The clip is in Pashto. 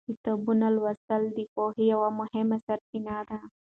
کتابونه لوستل د پوهې یوه مهمه سرچینه ده.